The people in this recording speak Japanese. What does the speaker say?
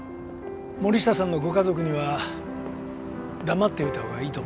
森下さんのご家族には黙っておいた方がいいと思うんだ。